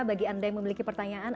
bagi anda yang memiliki pertanyaan